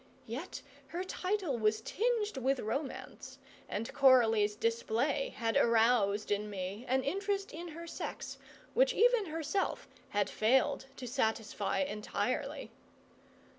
Yet her title was tinged with romance, and Coralie's display had aroused in me an interest in her sex which even herself had failed to satisfy entirely.